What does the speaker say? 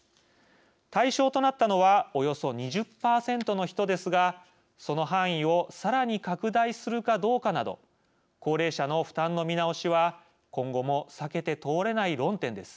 対象となったのはおよそ２０％の人ですがその範囲をさらに拡大するかどうかなど高齢者の負担の見直しは今後も避けて通れない論点です。